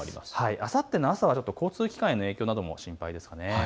あさっての朝、交通機関への影響も心配です。